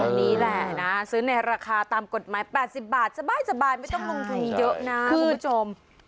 อันนี้แหละนะซื้อในราคาตามกฎหมาย๘๐บาทสบายไม่ต้องลงทุนเยอะนะคุณผู้ชม